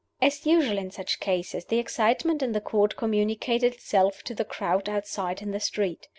As usual in such cases, the excitement in the Court communicated itself to the crowd outside in the street.